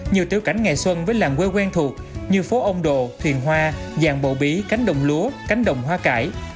nhiều tiểu cảnh ngày xuân với làng quê quen thuộc như phố ông đồ thuyền hoa vàng bộ bí cánh đồng lúa cánh đồng hoa cải